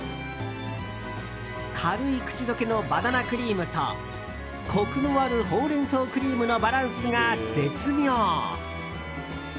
軽い口溶けのバナナクリームとコクのあるホウレンソウクリームのバランスが絶妙。